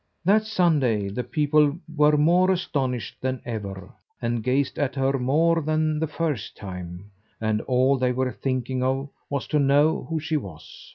That Sunday, the people were more astonished than ever, and gazed at her more than the first time; and all they were thinking of was to know who she was.